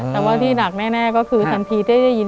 อเรนนี่อเรนนี่อเรนนี่อเรนนี่